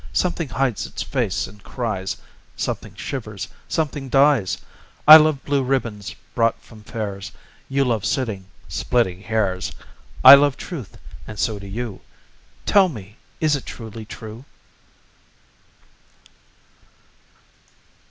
Something hides its face and cries; Something shivers; something dies. I love blue ribbons brought from fairs; You love sitting splitting hairs. I love truth, and so do you ... Tell me, is it truly true?